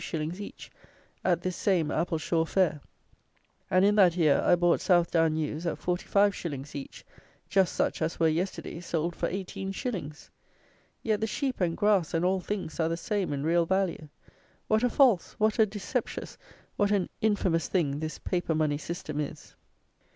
_ each, at this same Appleshaw fair; and in that year I bought South down ewes at 45_s._ each, just such as were, yesterday, sold for 18_s._ Yet the sheep and grass and all things are the same in real value. What a false, what a deceptious, what an infamous thing, this paper money system is!